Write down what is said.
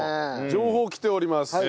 情報来ております。